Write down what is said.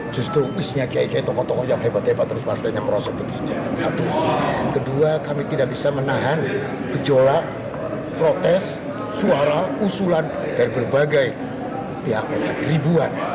proses begini satu kedua kami tidak bisa menahan gejolak protes suara usulan dari berbagai pihak pihak ribuan